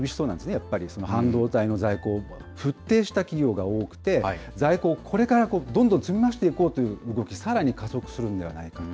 やっぱり、その半導体の在庫、払底した企業が多くて、在庫をこれからどんどん積み増していこうという動き、さらに加速するんではないかなと。